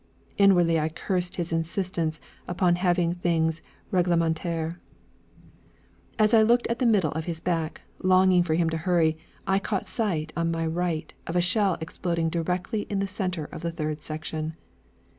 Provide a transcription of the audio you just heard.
Inwardly I cursed his insistence upon having things réglementaires. As I looked at the middle of his back, longing for him to hurry, I caught sight, on my right, of a shell exploding directly in the centre of the third section.